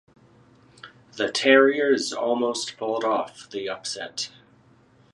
The Terriers almost pulled off the upset.